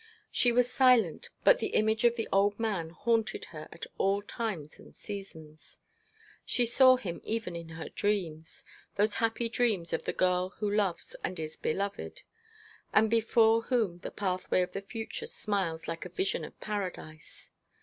She was silent, but the image of the old man haunted her at all times and seasons. She saw him even in her dreams those happy dreams of the girl who loves and is beloved, and before whom the pathway of the future smiles like a vision of Paradise.